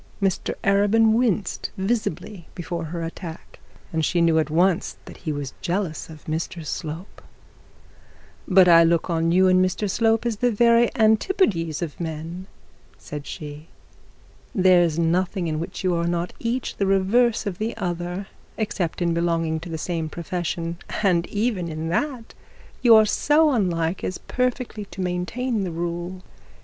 Mr Arabin winced visibly before her attack, and she knew at once that he was jealous of Mr Slope. 'But I look on you and Mr Slope as the very antipodes of men,' said she. 'There is nothing in which you are not each the reverse of the other, except in belonging to the same profession; and even in that you are so unlike as perfectly to maintain the rule.